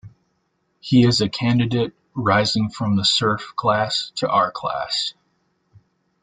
He is a candidate, rising from the serf class to our class.